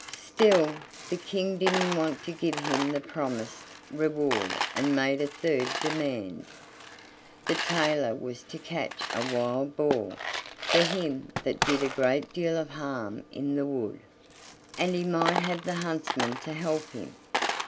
Still the King didn't want to give him the promised reward and made a third demand. The tailor was to catch a wild boar for him that did a great deal of harm in the wood; and he might have the huntsmen to help him.